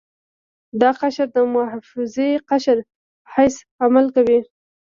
دا قشر د محافظوي قشر په حیث عمل کوي.